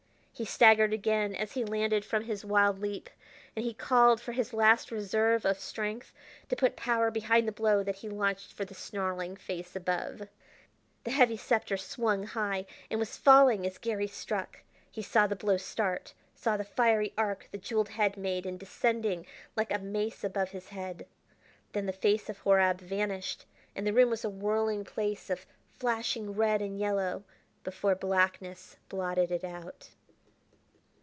He staggered again as he landed from his wild leap, and he called for his last reserve of strength to put power behind the blow that he launched for the snarling face above. The heavy scepter swung high, and was falling as Garry struck. He saw the blow start; saw the fiery arc the jeweled head made in descending like a mace above his head. Then the face of Horab vanished, and the room was a whirling place of flashing red and yellow before blackness blotted it out....